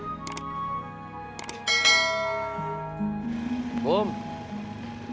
mejelek jelekin emak ke orang lain